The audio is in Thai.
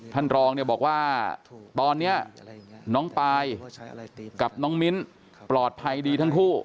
ท่านรองเนี่ยบอกว่าตอนนี้น้องปายกับน้องมิ้นปลอดภัยดีทั้งคู่